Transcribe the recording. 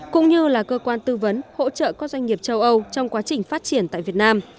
cũng như là cơ quan tư vấn hỗ trợ các doanh nghiệp châu âu trong quá trình phát triển tại việt nam